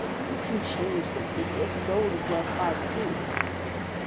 "You can change them, idiot; gold is worth five sous."